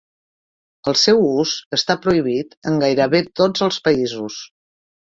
El seu ús està prohibit en gairebé tots els països.